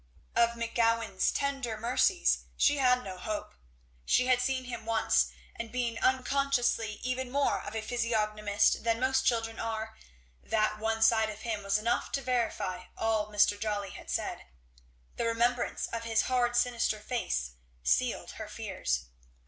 Of McGowan's tender mercies she had no hope. She had seen him once, and being unconsciously even more of a physiognomist than most children are, that one sight of him was enough to verify all Mr. Jolly had said. The remembrance of his hard sinister face sealed her fears.